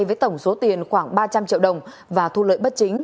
với tổng số tiền khoảng ba trăm linh triệu đồng và thu lợi bất chính